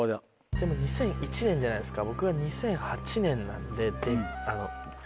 でも２００１年じゃないですか。